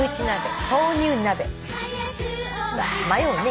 迷うね。